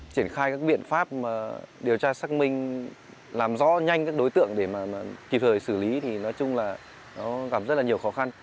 triển khai các biện pháp điều tra xác minh làm rõ nhanh các đối tượng để kịp thời xử lý thì nói chung là nó gặp rất là nhiều khó khăn